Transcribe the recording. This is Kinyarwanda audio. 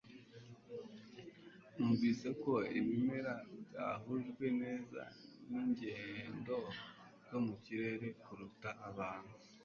Numvise ko ibimera byahujwe neza ningendo zo mu kirere kuruta abantu